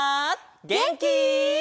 げんき？